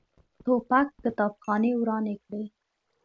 توپک کتابخانې ورانې کړي.